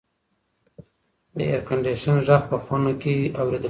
د اېرکنډیشن غږ په خونه کې اورېدل کېده.